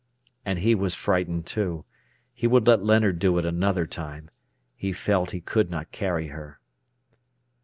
And he was frightened, too. He would let Leonard do it another time. He felt he could not carry her.